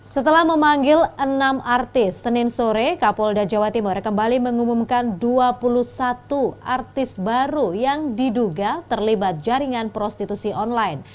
setelah memanggil enam artis senin sore kapolda jawa timur kembali mengumumkan dua puluh satu artis baru yang diduga terlibat jaringan prostitusi online